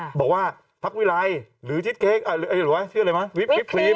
เธอบอกว่าผักวิรายหรือชิ้นเค้กบ้างไหมวิปครีม